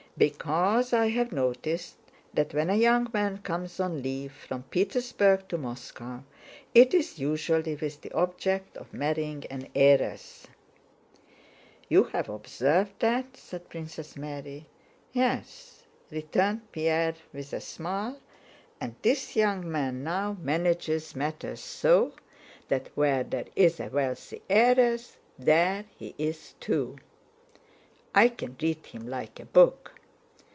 "Because I have noticed that when a young man comes on leave from Petersburg to Moscow it is usually with the object of marrying an heiress." "You have observed that?" said Princess Mary. "Yes," returned Pierre with a smile, "and this young man now manages matters so that where there is a wealthy heiress there he is too. I can read him like a book.